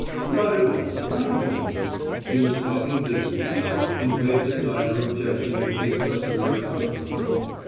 "Not at all, not at all;" he was talking business now and waved aside her objections with his customary confidence.